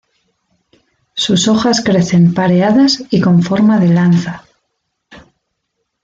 Sus hojas crecen pareadas y con forma de lanza.